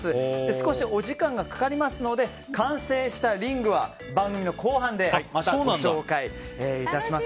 少しお時間がかかりますので完成したリングは番組の後半でまたご紹介いたします。